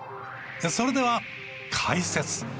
それでは解説。